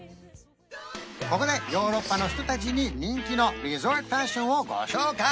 ここでヨーロッパの人達に人気のリゾートファッションをご紹介！